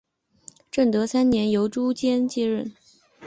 正德三年由朱鉴接任。